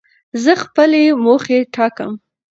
زه خپلي موخي ټاکم.